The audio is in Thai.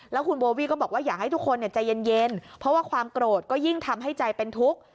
แล้วคุณโบวี่ก็บอกว่าอยากให้ทุกคนใจเย็นเพราะว่าความโกรธก็ยิ่งทำให้ใจเป็นทุกข์